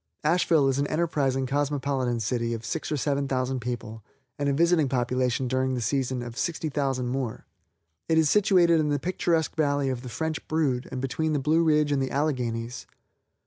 Asheville is an enterprising cosmopolitan city of six or seven thousand people and a visiting population during the season of sixty thousand more. It is situated in the picturesque valley of the French Brood and between the Blue Ridge and the Alleghanies.